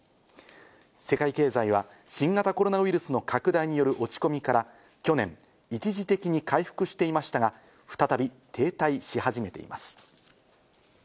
世界経済は新型コロナウイルスの拡大による落ち込みから去年、一時的に回復していましたが再び停滞し始めています。